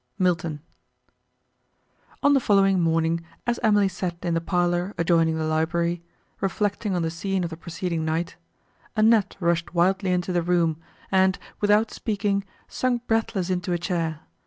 MILTON On the following morning, as Emily sat in the parlour adjoining the library, reflecting on the scene of the preceding night, Annette rushed wildly into the room, and, without speaking, sunk breathless into a chair.